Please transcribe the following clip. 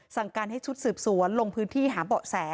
สั่งการให้ชุดสืบสวนลงพื้นที่หาเบาะแส